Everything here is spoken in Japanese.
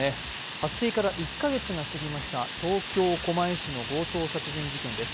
発生から１か月がたちました東京・狛江市の強盗殺人事件です。